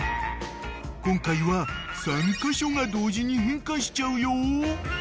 ［今回は３カ所が同時に変化しちゃうよ］